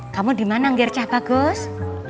kamu dimana ngircah bagus